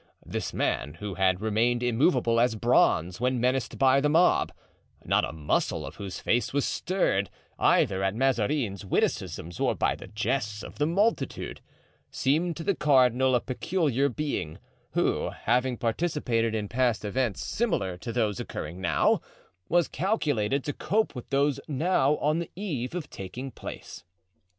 This man, who had remained immovable as bronze when menaced by the mob—not a muscle of whose face was stirred, either at Mazarin's witticisms or by the jests of the multitude—seemed to the cardinal a peculiar being, who, having participated in past events similar to those now occurring, was calculated to cope with those now on the eve of taking place.